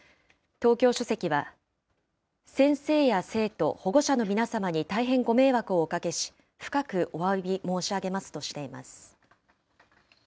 東京書籍は、先生や生徒、保護者の皆様に大変ご迷惑をおかけし、深くおわび申し上げますとしています。